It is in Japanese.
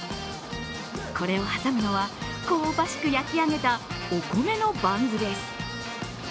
これを挟むのは、香ばしく焼き上げたお米のバンズです。